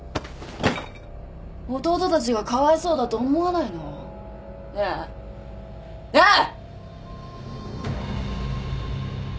弟たちがかわいそうだと思わないの？ねぇ。ねぇ！